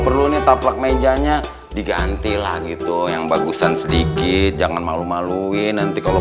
perlu nih taplak mejanya diganti lah gitu yang bagusan sedikit jangan malu maluin nanti kalau